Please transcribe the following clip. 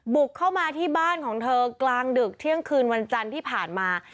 บุกเข้ามาที่บ้านของเธอกลางดึกเที่ยงคืนวันจันทร์ที่ผ่านมา